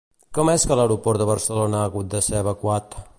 Com és que l'aeroport de Barcelona ha hagut de ser evacuat?